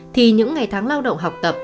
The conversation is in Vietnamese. thì những ngày tháng lao động học tập